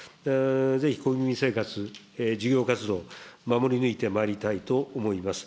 ぜひ国民生活、事業活動、守り抜いてまいりたいと思います。